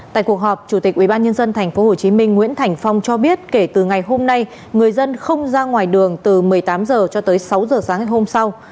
tại cuộc họp chủ tịch ubnd tp hcm nguyễn thành phong cho biết kể từ ngày hôm nay người dân không ra ngoài đường từ một mươi tám h cho tới sáu h sáng ngày hôm sau